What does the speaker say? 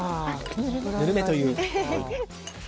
ぬるめという。